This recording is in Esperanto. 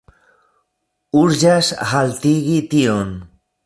Urĝas haltigi tion.